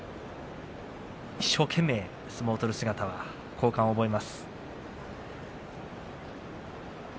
一生懸命相撲を取る姿は好感を覚えます。